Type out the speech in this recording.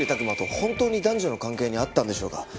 馬と本当に男女の関係にあったんでしょうか？